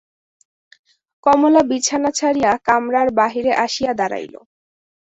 কমলা বিছানা ছাড়িয়া কামরার বাহিরে আসিয়া দাঁড়াইল।